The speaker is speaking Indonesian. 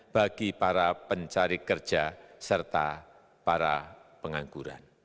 bagi para pencari kerja serta para pengangguran